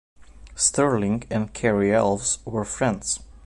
Stirling and Cary-Elwes were friends.